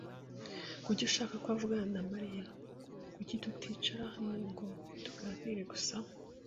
Kuki ushaka ko avugana na Mariya? Kuki tuticara hano ngo tuganire gusa?